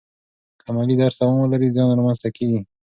که عملي درس دوام ولري، زیان را منځ ته کیږي.